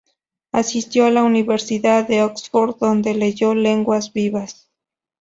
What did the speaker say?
Asistió a la Universidad de Oxford, donde leyó Lenguas Vivas.